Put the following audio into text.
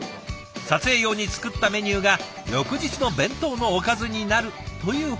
撮影用に作ったメニューが翌日の弁当のおかずになるというパターン。